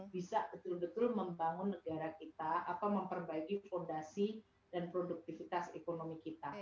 bisa betul betul membangun negara kita memperbaiki fondasi dan produktivitas